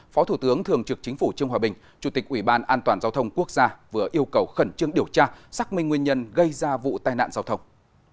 phó thủ tướng thường trực chính phủ trương hòa bình chủ tịch ủy ban an toàn giao thông quốc gia vừa yêu cầu khẩn trương điều tra xác minh nguyên nhân gây ra vụ tai nạn giao thông